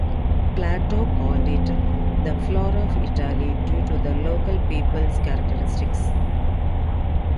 Plato called it "The flower of Italy", due to the local peoples' characteristics.